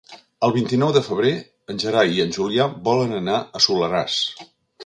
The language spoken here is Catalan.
El vint-i-nou de febrer en Gerai i en Julià volen anar al Soleràs.